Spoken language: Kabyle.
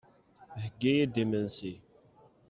Heggi-iyi-d imensi.